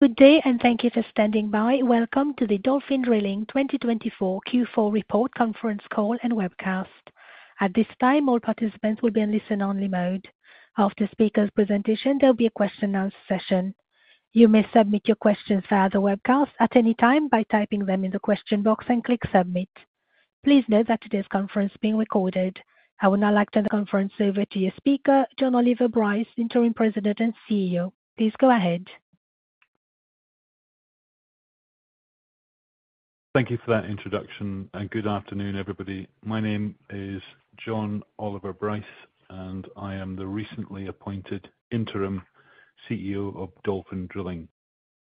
Good day, and thank you for standing by. Welcome to the Dolphin Drilling 2024 Q4 Report Conference Call and Webcast. At this time, all participants will be in listen-only mode. After speakers' presentations, there will be a question-and-answer session. You may submit your questions via the webcast at any time by typing them in the question box and clicking "Submit." Please note that today's conference is being recorded. I will now like to turn the conference over to your speaker, Jon Oliver Bryce, Interim President and CEO. Please go ahead. Thank you for that introduction, and good afternoon, everybody. My name is Jon Oliver Bryce, and I am the recently appointed Interim CEO of Dolphin Drilling.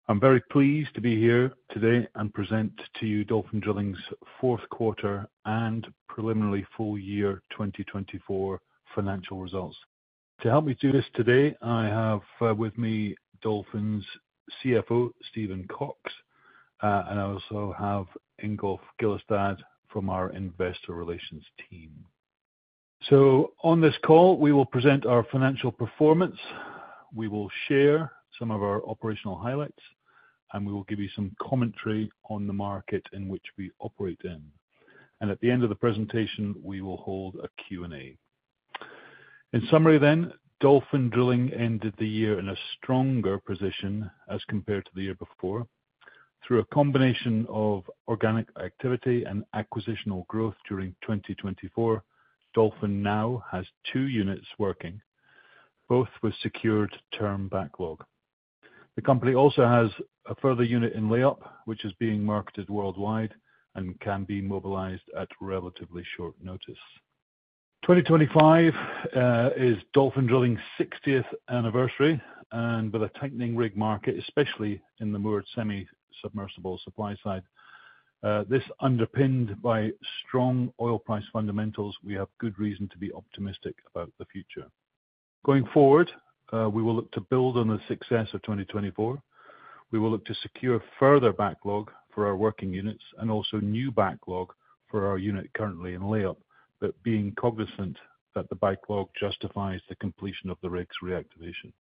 I'm very pleased to be here today and present to you Dolphin Drilling's fourth quarter and preliminary full year 2024 financial results. To help me do this today, I have with me Dolphin's CFO, Stephen Cox, and I also have Ingolf Gillesdal from our Investor Relations team. On this call, we will present our financial performance, we will share some of our operational highlights, and we will give you some commentary on the market in which we operate. At the end of the presentation, we will hold a Q&A. In summary then, Dolphin Drilling ended the year in a stronger position as compared to the year before. Through a combination of organic activity and acquisitional growth during 2024, Dolphin now has two units working, both with secured term backlog. The company also has a further unit in layup, which is being marketed worldwide and can be mobilized at relatively short notice. 2025 is Dolphin Drilling's 60th anniversary, and with a tightening rig market, especially in the moored semi-submersible supply side, this is underpinned by strong oil price fundamentals, we have good reason to be optimistic about the future. Going forward, we will look to build on the success of 2024. We will look to secure further backlog for our working units and also new backlog for our unit currently in layup, but being cognizant that the backlog justifies the completion of the rig's reactivation.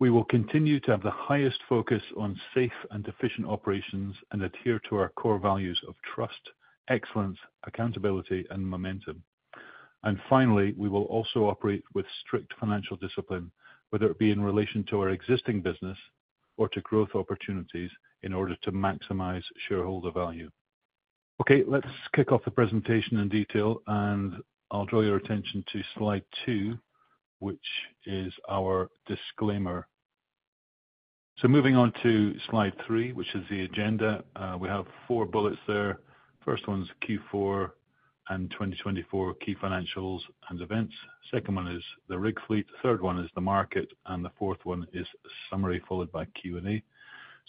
We will continue to have the highest focus on safe and efficient operations and adhere to our core values of trust, excellence, accountability, and momentum. Finally, we will also operate with strict financial discipline, whether it be in relation to our existing business or to growth opportunities in order to maximize shareholder value. Okay, let's kick off the presentation in detail, and I'll draw your attention to slide two, which is our disclaimer. Moving on to slide three, which is the agenda, we have four bullets there. The first one is Q4 and 2024 key financials and events. The second one is the rig fleet. The third one is the market, and the fourth one is a summary followed by Q&A.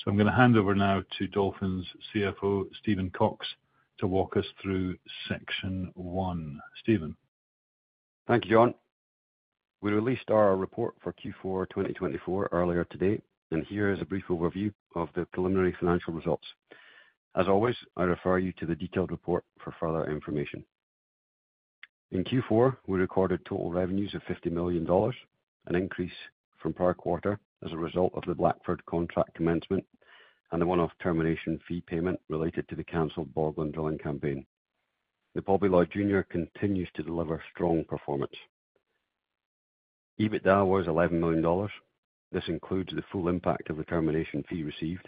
I'm going to hand over now to Dolphin's CFO, Stephen Cox, to walk us through section one. Stephen. Thank you, Jon. We released our report for Q4 2024 earlier today, and here is a brief overview of the preliminary financial results. As always, I refer you to the detailed report for further information. In Q4, we recorded total revenues of $50 million, an increase from prior quarter as a result of the Blackford contract commencement and the one-off termination fee payment related to the canceled Borgland Dolphin campaign. The Paul B. Loyd Jr. continues to deliver strong performance. EBITDA was $11 million. This includes the full impact of the termination fee received,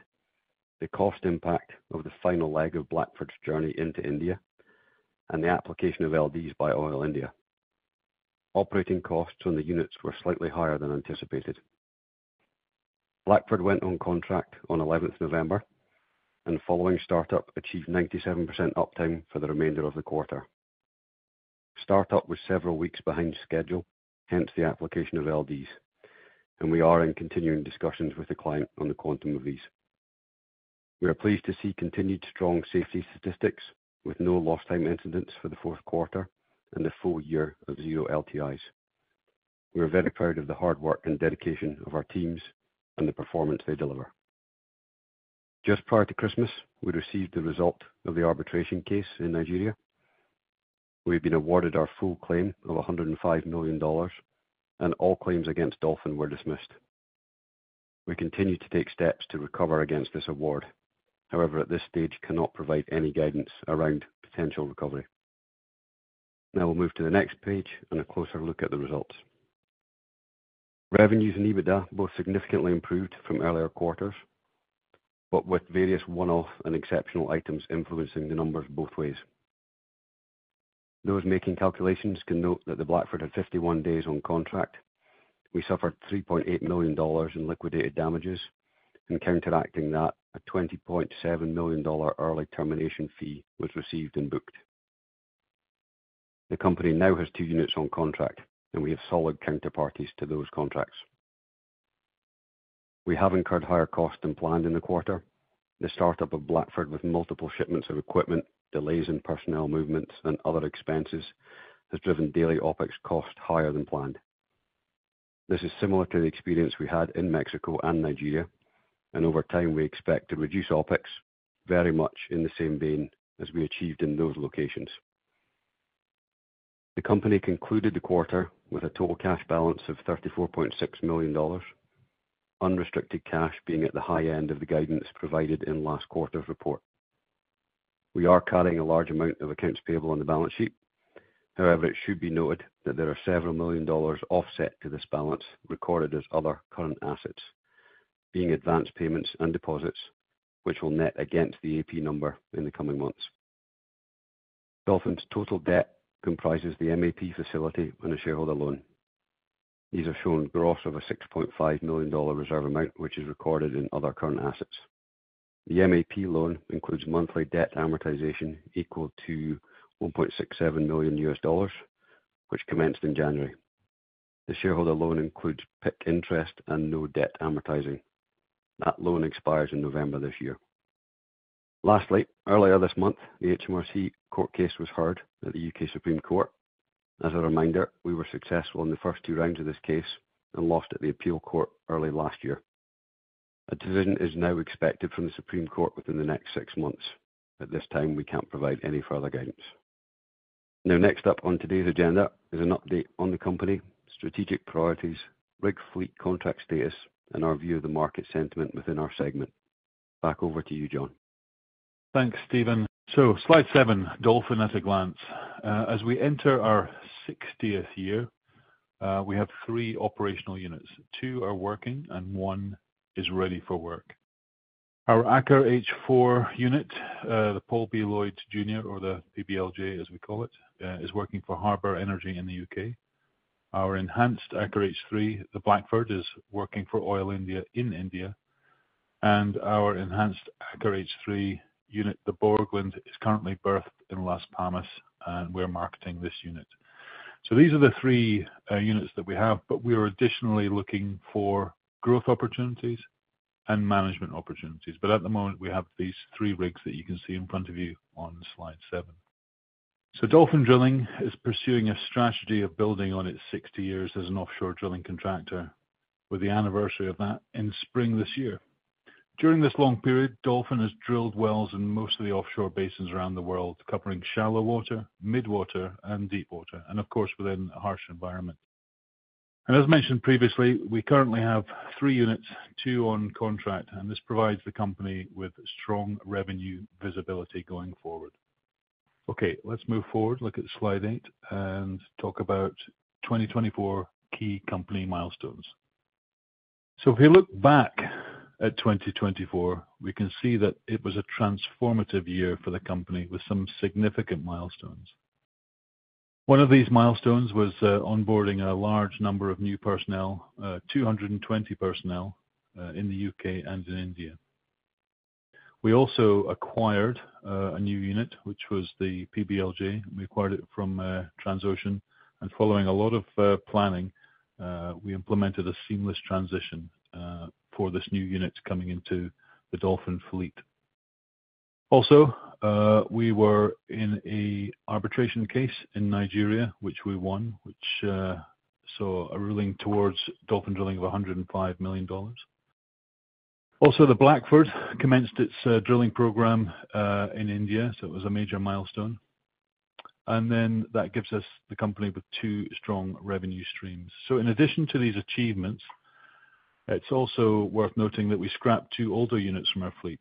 the cost impact of the final leg of Blackford's journey into India, and the application of LDs by Oil India. Operating costs on the units were slightly higher than anticipated. Blackford went on contract on 11th November, and following startup, achieved 97% uptime for the remainder of the quarter. Startup was several weeks behind schedule, hence the application of LDs, and we are in continuing discussions with the client on the quantum of these. We are pleased to see continued strong safety statistics with no lost-time incidents for the fourth quarter and a full year of zero LTIs. We are very proud of the hard work and dedication of our teams and the performance they deliver. Just prior to Christmas, we received the result of the arbitration case in Nigeria. We have been awarded our full claim of $105 million, and all claims against Dolphin were dismissed. We continue to take steps to recover against this award. However, at this stage, we cannot provide any guidance around potential recovery. Now we'll move to the next page and a closer look at the results. Revenues and EBITDA both significantly improved from earlier quarters, but with various one-off and exceptional items influencing the numbers both ways. Those making calculations can note that the Blackford had 51 days on contract. We suffered $3.8 million in liquidated damages, and counteracting that, a $20.7 million early termination fee was received and booked. The company now has two units on contract, and we have solid counterparties to those contracts. We have incurred higher costs than planned in the quarter. The startup of Blackford with multiple shipments of equipment, delays in personnel movements, and other expenses has driven daily OPEX costs higher than planned. This is similar to the experience we had in Mexico and Nigeria, and over time, we expect to reduce OPEX very much in the same vein as we achieved in those locations. The company concluded the quarter with a total cash balance of $34.6 million, unrestricted cash being at the high end of the guidance provided in last quarter's report. We are carrying a large amount of accounts payable on the balance sheet. However, it should be noted that there are several million dollars offset to this balance recorded as other current assets, being advance payments and deposits, which will net against the AP number in the coming months. Dolphin's total debt comprises the MAP facility and a shareholder loan. These are shown gross of a $6.5 million reserve amount, which is recorded in other current assets. The MAP loan includes monthly debt amortization equal to $1.67 million U.S. dollars, which commenced in January. The shareholder loan includes PIK interest and no debt amortizing. That loan expires in November this year. Lastly, earlier this month, the HMRC court case was heard at the U.K. Supreme Court. As a reminder, we were successful in the first two rounds of this case and lost at the appeal court early last year. A decision is now expected from the Supreme Court within the next six months. At this time, we can't provide any further guidance. Now, next up on today's agenda is an update on the company, strategic priorities, rig fleet contract status, and our view of the market sentiment within our segment. Back over to you, Jon. Thanks, Stephen. Slide seven, Dolphin at a glance. As we enter our 60th year, we have three operational units. Two are working, and one is ready for work. Our Aker H-4 unit, the Paul B. Loyd Jr., or the PBLJ as we call it, is working for Harbour Energy in the U.K. Our enhanced Aker H-3, the Blackford Dolphin, is working for Oil India Limited in India. Our enhanced Aker H-3 unit, the Borgland Dolphin, is currently berthed in Las Palmas, and we are marketing this unit. These are the three units that we have. We are additionally looking for growth opportunities and management opportunities. At the moment, we have these three rigs that you can see in front of you on slide seven. Dolphin Drilling is pursuing a strategy of building on its 60 years as an offshore drilling contractor, with the anniversary of that in spring this year. During this long period, Dolphin has drilled wells in most of the offshore basins around the world, covering shallow water, midwater, and deepwater, and of course, within a harsh environment. As mentioned previously, we currently have three units, two on contract, and this provides the company with strong revenue visibility going forward. Okay, let's move forward, look at slide eight, and talk about 2024 key company milestones. If we look back at 2024, we can see that it was a transformative year for the company with some significant milestones. One of these milestones was onboarding a large number of new personnel, 220 personnel, in the U.K. and in India. We also acquired a new unit, which was the Paul B. Loyd Jr. We acquired it from Transocean. Following a lot of planning, we implemented a seamless transition for this new unit coming into the Dolphin fleet. Also, we were in an arbitration case in Nigeria, which we won, which saw a ruling towards Dolphin Drilling of $105 million. Also, the Blackford commenced its drilling program in India, so it was a major milestone. That gives us the company with two strong revenue streams. In addition to these achievements, it's also worth noting that we scrapped two older units from our fleet.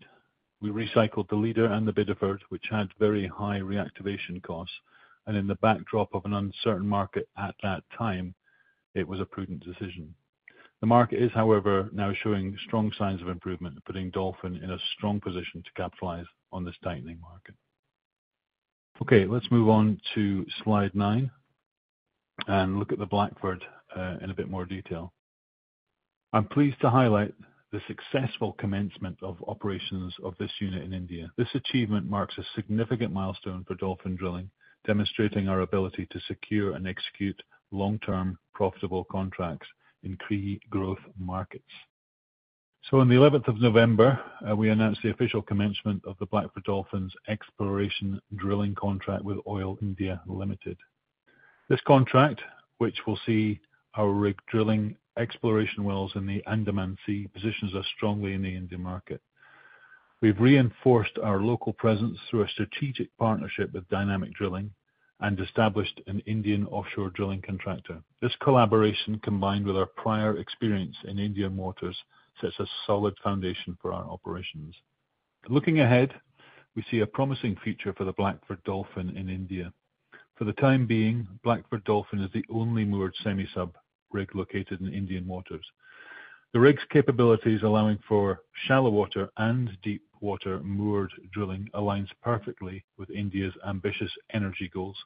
We recycled the Bideford and Borgsten, which had very high reactivation costs. In the backdrop of an uncertain market at that time, it was a prudent decision. The market is, however, now showing strong signs of improvement, putting Dolphin in a strong position to capitalize on this tightening market. Okay, let's move on to slide nine and look at the Blackford in a bit more detail. I'm pleased to highlight the successful commencement of operations of this unit in India. This achievement marks a significant milestone for Dolphin Drilling, demonstrating our ability to secure and execute long-term profitable contracts in key growth markets. On the 11th of November, we announced the official commencement of the Blackford Dolphin's exploration drilling contract with Oil India Limited. This contract, which will see our rig drilling exploration wells in the Andaman Sea, positions us strongly in the Indian market. We've reinforced our local presence through a strategic partnership with Dynamic Drilling and established an Indian offshore drilling contractor. This collaboration, combined with our prior experience in India, sets a solid foundation for our operations. Looking ahead, we see a promising future for the Blackford Dolphin in India. For the time being, Blackford Dolphin is the only moored semi-sub rig located in India. The rig's capabilities, allowing for shallow water and deepwater moored drilling, aligns perfectly with India's ambitious energy goals,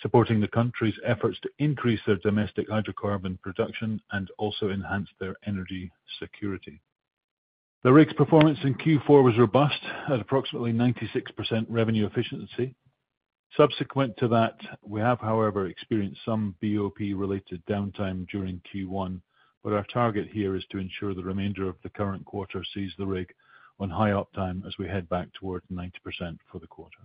supporting the country's efforts to increase their domestic hydrocarbon production and also enhance their energy security. The rig's performance in Q4 was robust at approximately 96% revenue efficiency. Subsequent to that, we have, however, experienced some BOP-related downtime during Q1, but our target here is to ensure the remainder of the current quarter sees the rig on high uptime as we head back toward 90% for the quarter.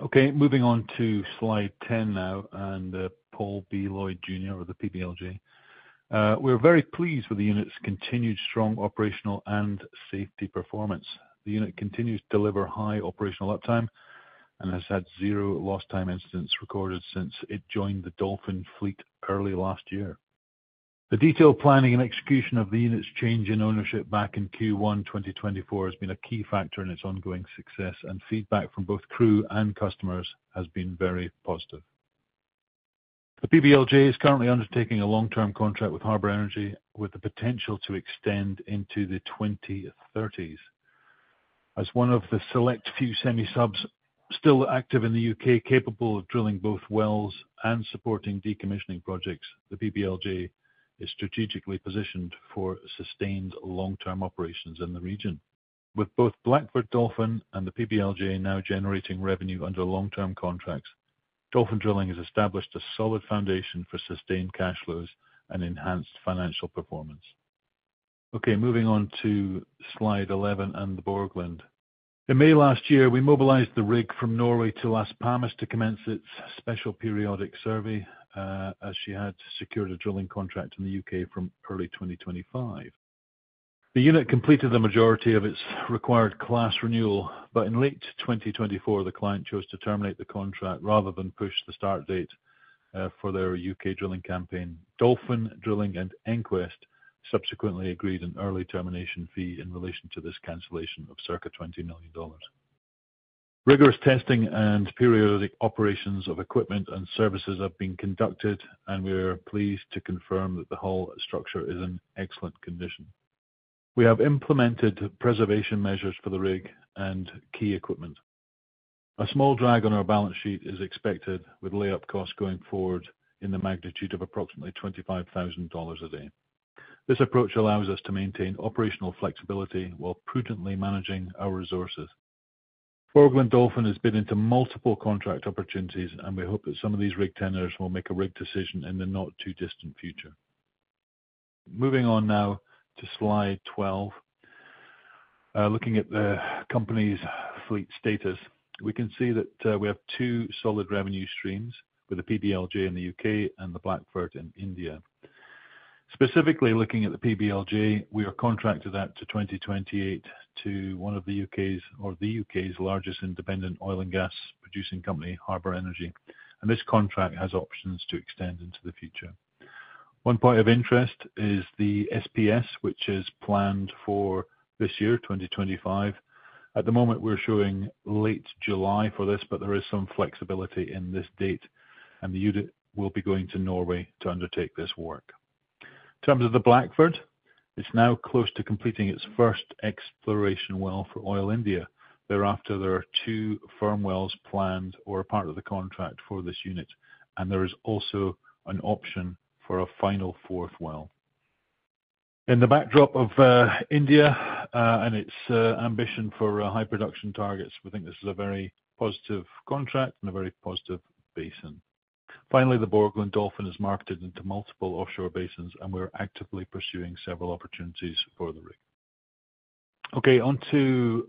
Okay, moving on to slide 10 now and Paul B. Loyd Jr. or the PBLJ. We are very pleased with the unit's continued strong operational and safety performance. The unit continues to deliver high operational uptime and has had zero lost-time incidents recorded since it joined the Dolphin fleet early last year. The detailed planning and execution of the unit's change in ownership back in Q1 2024 has been a key factor in its ongoing success, and feedback from both crew and customers has been very positive. The PBLJ is currently undertaking a long-term contract with Harbour Energy, with the potential to extend into the 2030s. As one of the select few semi-subs still active in the U.K., capable of drilling both wells and supporting decommissioning projects, the PBLJ is strategically positioned for sustained long-term operations in the region. With both Blackford Dolphin and the PBLJ now generating revenue under long-term contracts, Dolphin Drilling has established a solid foundation for sustained cash flows and enhanced financial performance. Okay, moving on to slide 11 and the Borgland. In May last year, we mobilized the rig from Norway to Las Palmas to commence its special periodic survey as she had secured a drilling contract in the U.K. from early 2025. The unit completed the majority of its required class renewal, but in late 2024, the client chose to terminate the contract rather than push the start date for their U.K. drilling campaign. Dolphin Drilling and EnQuest subsequently agreed an early termination fee in relation to this cancellation of circa $20 million. Rigorous testing and periodic operations of equipment and services have been conducted, and we are pleased to confirm that the whole structure is in excellent condition. We have implemented preservation measures for the rig and key equipment. A small drag on our balance sheet is expected, with layup costs going forward in the magnitude of approximately $25,000 a day. This approach allows us to maintain operational flexibility while prudently managing our resources. Borgland Dolphin has bid into multiple contract opportunities, and we hope that some of these rig tenders will make a rig decision in the not-too-distant future. Moving on now to slide 12, looking at the company's fleet status, we can see that we have two solid revenue streams with the PBLJ in the U.K. and the Blackford in India. Specifically, looking at the PBLJ, we are contracted out to 2028 to one of the U.K.'s largest independent oil and gas producing company, Harbour Energy. This contract has options to extend into the future. One point of interest is the SPS, which is planned for this year, 2025. At the moment, we're showing late July for this, but there is some flexibility in this date, and the unit will be going to Norway to undertake this work. In terms of the Blackford, it's now close to completing its first exploration well for Oil India. Thereafter, there are two firm wells planned or a part of the contract for this unit, and there is also an option for a final fourth well. In the backdrop of India and its ambition for high production targets, we think this is a very positive contract and a very positive basin. Finally, the Borgland Dolphin is marketed into multiple offshore basins, and we're actively pursuing several opportunities for the rig. Okay, on to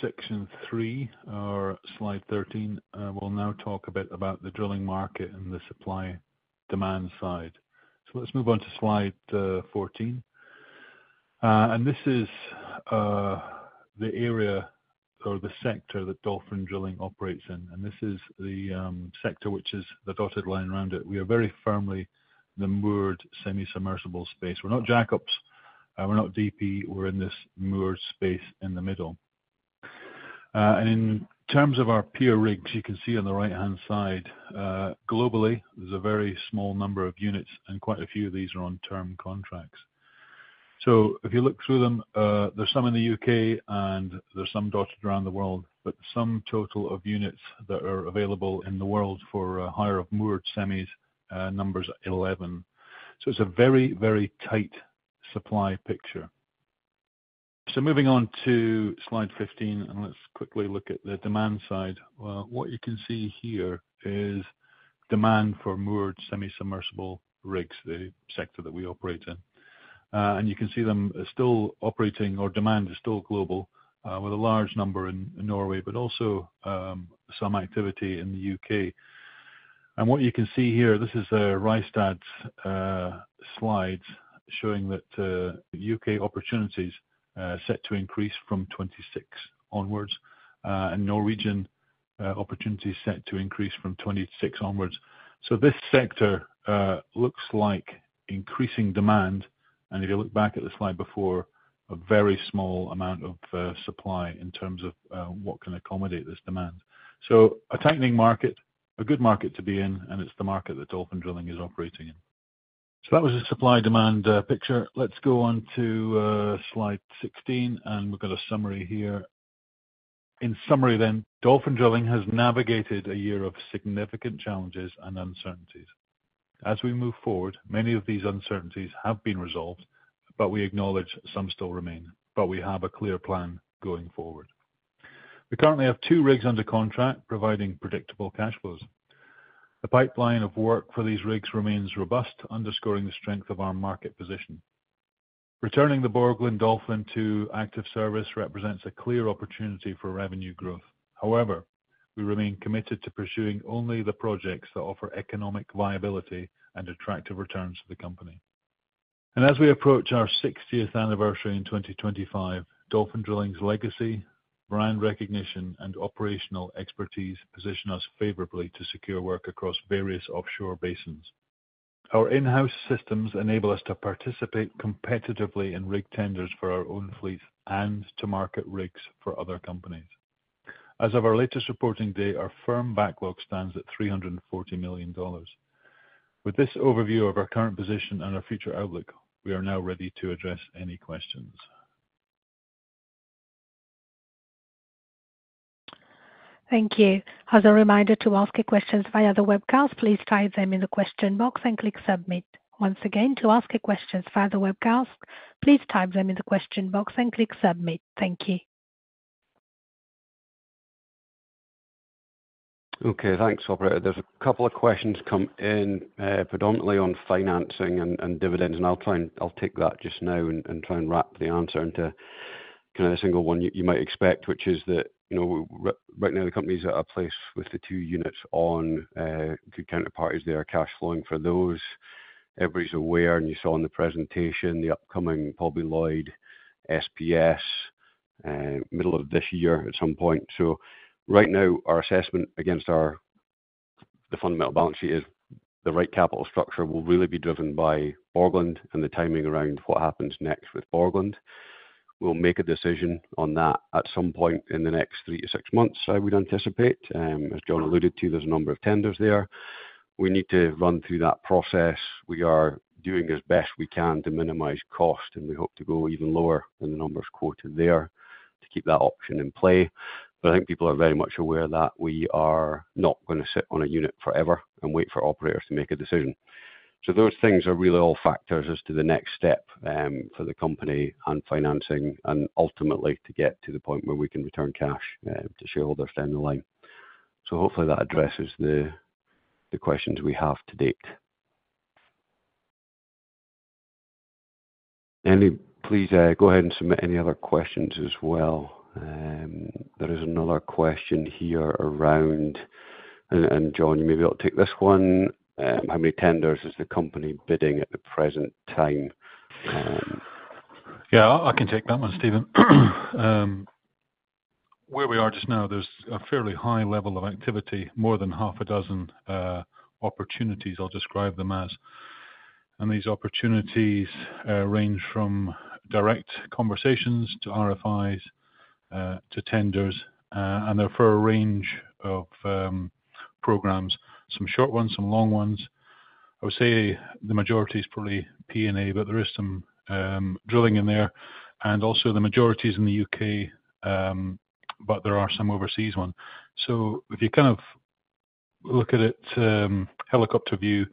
section three, or slide 13. We'll now talk a bit about the drilling market and the supply-demand side. Let's move on to slide 14. This is the area or the sector that Dolphin Drilling operates in. This is the sector which is the dotted line around it. We are very firmly the moored semi-submersible space. We're not jack-ups. We're not DP. We're in this moored space in the middle. In terms of our peer rigs, you can see on the right-hand side, globally, there's a very small number of units, and quite a few of these are on term contracts. If you look through them, there's some in the U.K., and there's some dotted around the world, but the sum total of units that are available in the world for a hire of moored semis numbers 11. It's a very, very tight supply picture. Moving on to slide 15, let's quickly look at the demand side. What you can see here is demand for moored semi-submersible rigs, the sector that we operate in. You can see them still operating, or demand is still global, with a large number in Norway, but also some activity in the U.K. What you can see here, this is a Rystad slide showing that U.K. opportunities set to increase from 2026 onwards, and Norwegian opportunities set to increase from 2026 onwards. This sector looks like increasing demand. If you look back at the slide before, a very small amount of supply in terms of what can accommodate this demand. A tightening market, a good market to be in, and it's the market that Dolphin Drilling is operating in. That was the supply-demand picture. Let's go on to slide 16, and we've got a summary here. In summary then, Dolphin Drilling has navigated a year of significant challenges and uncertainties. As we move forward, many of these uncertainties have been resolved, but we acknowledge some still remain. We have a clear plan going forward. We currently have two rigs under contract, providing predictable cash flows. The pipeline of work for these rigs remains robust, underscoring the strength of our market position. Returning the Borgland Dolphin to active service represents a clear opportunity for revenue growth. However, we remain committed to pursuing only the projects that offer economic viability and attractive returns to the company. As we approach our 60th anniversary in 2025, Dolphin Drilling's legacy, brand recognition, and operational expertise position us favorably to secure work across various offshore basins. Our in-house systems enable us to participate competitively in rig tenders for our own fleets and to market rigs for other companies. As of our latest reporting date, our firm backlog stands at $340 million. With this overview of our current position and our future outlook, we are now ready to address any questions. Thank you. As a reminder to ask questions via the webcast, please type them in the question box and click submit. Once again, to ask questions via the webcast, please type them in the question box and click submit. Thank you. Okay, thanks, operator. There's a couple of questions come in, predominantly on financing and dividends, and I'll take that just now and try and wrap the answer into kind of a single one you might expect, which is that right now the company's at a place with the two units on good counterparties there, cash flowing for those. Everybody's aware, and you saw in the presentation, the upcoming Paul B. Loyd Jr., SPS, middle of this year at some point. Right now, our assessment against the fundamental balance sheet is the right capital structure will really be driven by Borgland and the timing around what happens next with Borgland. We'll make a decision on that at some point in the next three to six months, I would anticipate. As Jon alluded to, there's a number of tenders there. We need to run through that process. We are doing as best we can to minimize cost, and we hope to go even lower than the numbers quoted there to keep that option in play. I think people are very much aware that we are not going to sit on a unit forever and wait for operators to make a decision. Those things are really all factors as to the next step for the company and financing, and ultimately to get to the point where we can return cash to shareholders down the line. Hopefully that addresses the questions we have to date. Please go ahead and submit any other questions as well. There is another question here around, and Jon, you may be able to take this one. How many tenders is the company bidding at the present time? Yeah, I can take that one, Stephen. Where we are just now, there's a fairly high level of activity, more than half a dozen opportunities, I'll describe them as. These opportunities range from direct conversations to RFIs to tenders, and they're for a range of programs, some short ones, some long ones. I would say the majority is probably P&A, but there is some drilling in there. Also the majority is in the U.K., but there are some overseas ones. If you kind of look at it helicopter view,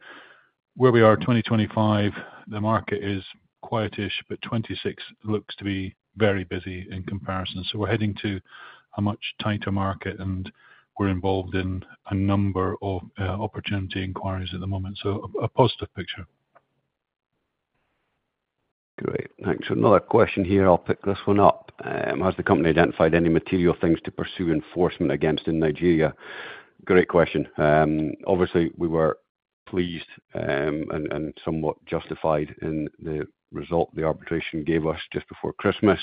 where we are 2025, the market is quiet-ish, but 2026 looks to be very busy in comparison. We're heading to a much tighter market, and we're involved in a number of opportunity inquiries at the moment. A positive picture. Great. Thanks. Another question here. I'll pick this one up. Has the company identified any material things to pursue enforcement against in Nigeria? Great question. Obviously, we were pleased and somewhat justified in the result the arbitration gave us just before Christmas.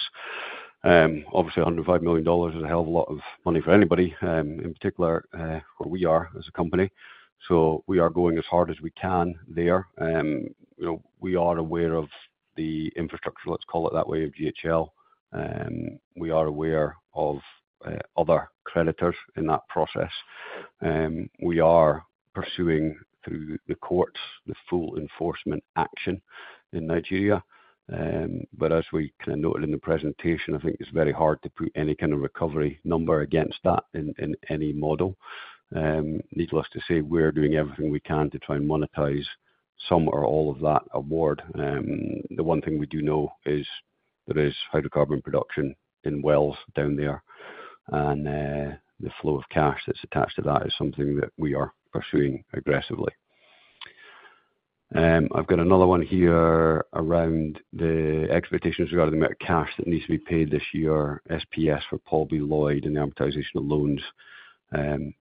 Obviously, $105 million is a hell of a lot of money for anybody, in particular where we are as a company. We are going as hard as we can there. We are aware of the infrastructure, let's call it that way, of GHL. We are aware of other creditors in that process. We are pursuing through the courts the full enforcement action in Nigeria. As we kind of noted in the presentation, I think it's very hard to put any kind of recovery number against that in any model. Needless to say, we're doing everything we can to try and monetize some or all of that award. The one thing we do know is there is hydrocarbon production in wells down there. The flow of cash that's attached to that is something that we are pursuing aggressively. I've got another one here around the expectations regarding the amount of cash that needs to be paid this year, SPS for Paul B. Loyd Jr. and the amortization of loans.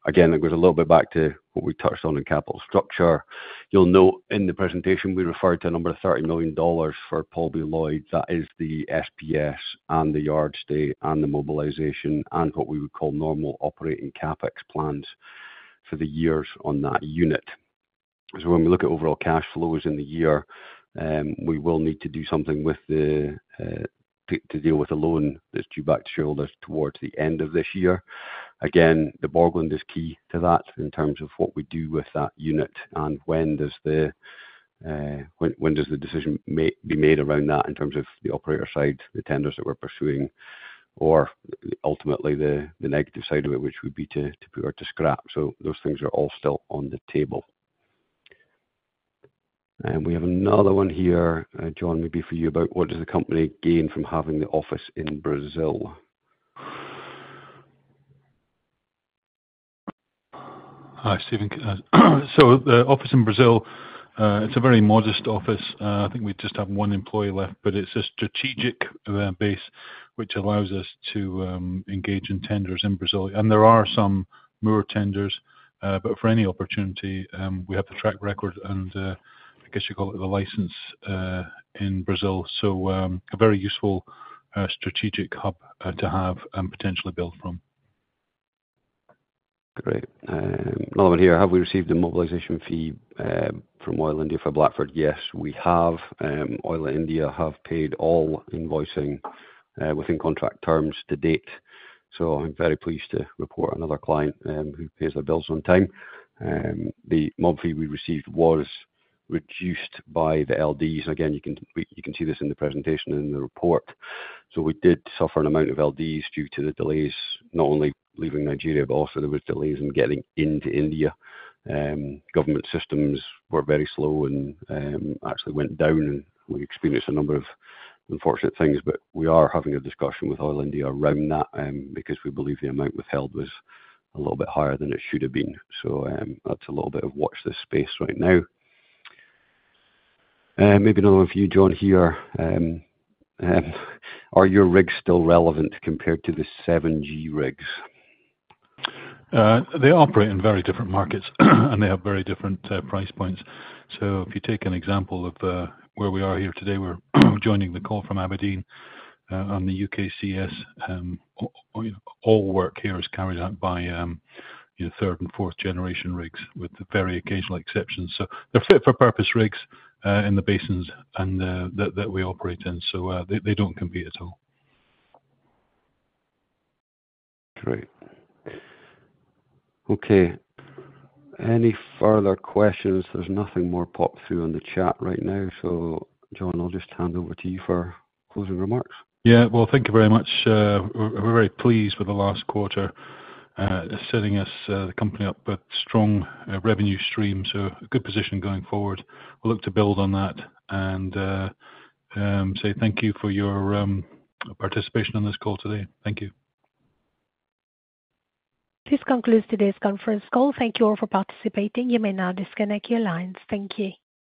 Again, it goes a little bit back to what we touched on in capital structure. You'll note in the presentation we referred to a number of $30 million for Paul B. Loyd Jr. That is the SPS and the yard state and the mobilization and what we would call normal operating CapEx plans for the years on that unit. When we look at overall cash flows in the year, we will need to do something to deal with a loan that's due back to shareholders towards the end of this year. Again, the Borgland is key to that in terms of what we do with that unit and when does the decision be made around that in terms of the operator side, the tenders that we're pursuing, or ultimately the negative side of it, which would be to put her to scrap. Those things are all still on the table. We have another one here, Jon, maybe for you about what does the company gain from having the office in Brazil? Hi, Stephen. The office in Brazil, it's a very modest office. I think we just have one employee left, but it's a strategic base, which allows us to engage in tenders in Brazil. There are some moored tenders, but for any opportunity, we have the track record and I guess you call it the license in Brazil. A very useful strategic hub to have and potentially build from. Great. Another one here. Have we received the mobilization fee from Oil India for Blackford? Yes, we have. Oil India have paid all invoicing within contract terms to date. I'm very pleased to report another client who pays their bills on time. The monthly we received was reduced by the LDs. Again, you can see this in the presentation and in the report. We did suffer an amount of LDs due to the delays, not only leaving Nigeria, but also there were delays in getting into India. Government systems were very slow and actually went down, and we experienced a number of unfortunate things. We are having a discussion with Oil India around that because we believe the amount withheld was a little bit higher than it should have been. That's a little bit of watch this space right now. Maybe another one for you, Jon here. Are your rigs still relevant compared to the 7G rigs? They operate in very different markets, and they have very different price points. If you take an example of where we are here today, we're joining the call from Aberdeen on the UKCS. All work here is carried out by third and fourth generation rigs with very occasional exceptions. They're fit-for-purpose rigs in the basins that we operate in. They don't compete at all. Great. Okay. Any further questions? There's nothing more popped through in the chat right now. Jon, I'll just hand over to you for closing remarks. Yeah. Thank you very much. We're very pleased with the last quarter, setting us the company up with strong revenue streams. A good position going forward. We'll look to build on that and say thank you for your participation on this call today. Thank you. This concludes today's conference call. Thank you all for participating. You may now disconnect your lines. Thank you.